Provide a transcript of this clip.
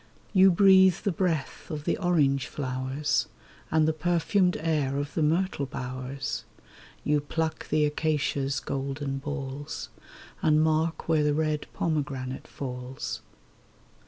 You breathe the breath of the orange flowers, And the perfumed air of the myrtle bowers ; You pluck the acacia's golden balls, And mark where the red pomegranate falls.